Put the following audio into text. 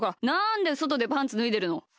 なんでそとでパンツぬいでるの！